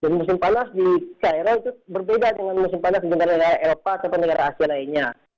jadi musim panas di cairo itu berbeda dengan musim panas di negara negara eropa atau negara asia lainnya